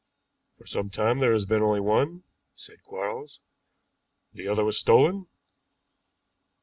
"For some time there has been only one," said Quarles; "the other was stolen.